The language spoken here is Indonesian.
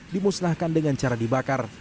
dimusnahkan dengan cara dibakar